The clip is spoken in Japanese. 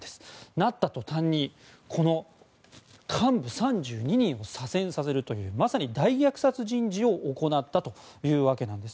なった途端に幹部３２人を左遷させるというまさに大虐殺人事を行ったということです。